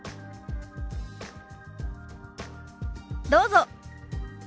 どうぞ。